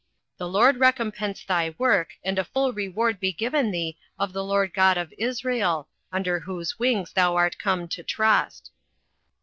08:002:012 The LORD recompense thy work, and a full reward be given thee of the LORD God of Israel, under whose wings thou art come to trust.